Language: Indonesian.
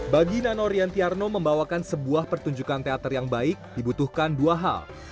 bagi nano riantiarno membawakan sebuah pertunjukan teater yang baik dibutuhkan dua hal